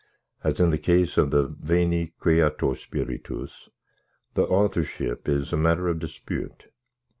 As in the case of the Veni, Creator Spiritus, the authorship is matter of dispute.